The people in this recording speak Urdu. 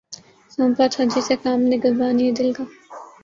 سونپا تھا جسے کام نگہبانئ دل کا